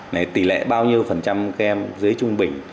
này tỷ lệ bao nhiêu phần trăm các em dưới trung bình